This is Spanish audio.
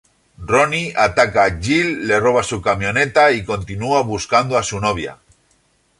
Ronnie ataca a Gill, le roba su camioneta y continúa buscando a su novia.